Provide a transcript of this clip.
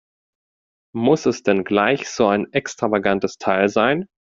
Muss es denn gleich so ein extravagantes Teil sein?